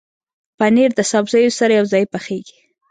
پنېر د سبزیو سره یوځای پخېږي.